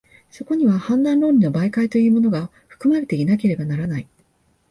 そこには判断論理の媒介というものが、含まれていなければならない。